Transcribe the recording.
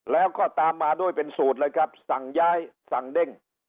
แล้วก็ตามมาด้วยเป็นสูตรเลยครับสั่งย้ายสั่งเด้ง